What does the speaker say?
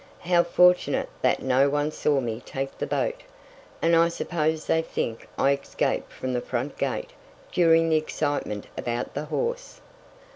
How fortunate that no one saw me take the boat. And I suppose they think I escaped from the front gate during the excitement about the horse."